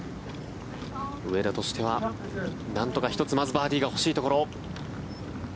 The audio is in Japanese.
上田としては、なんとか１つバーディーが欲しいところ。